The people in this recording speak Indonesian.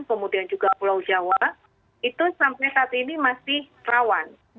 kemudian juga pulau jawa itu sampai saat ini masih rawan